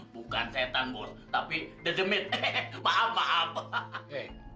bukan setan bos tapi the the meat maaf maaf